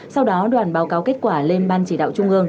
sau đó đoàn báo cáo kết quả lên ban chỉ đạo trung ương